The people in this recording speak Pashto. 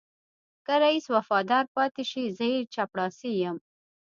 که رئيس وفادار پاتې شي زه يې چپړاسی یم.